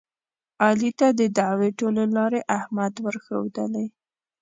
علي ته د دعوې ټولې لارې احمد ورښودلې.